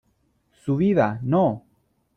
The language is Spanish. ¡ su vida , no !